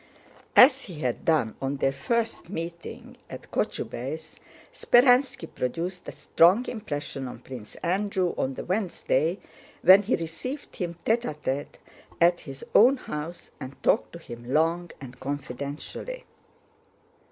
As he had done on their first meeting at Kochubéy's, Speránski produced a strong impression on Prince Andrew on the Wednesday, when he received him tête à tête at his own house and talked to him long and confidentially.